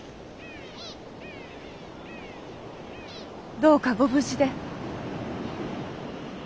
どうかご無事で。